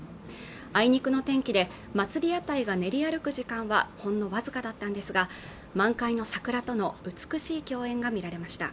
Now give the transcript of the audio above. あいにくの天気で祭屋台が練り歩く時間はほんのわずかだったんですが満開の桜との美しい競演が見られました